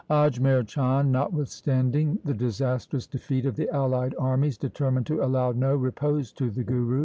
Ajmer Chand, notwithstanding the disastrous defeat of the allied armies, determined to allow no repose to the Guru.